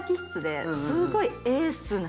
すごい。